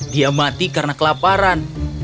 dia mati karena kelaparan